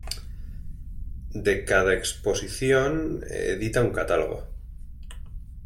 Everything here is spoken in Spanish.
De cada exposición edita un catálogo.